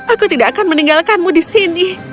aku tidak akan meninggalkanmu di sini